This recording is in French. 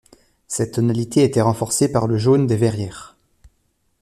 Cette tonalité était renforcée par le jaune des verrières.